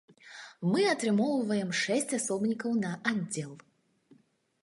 Мы атрымоўваем шэсць асобнікаў на аддзел.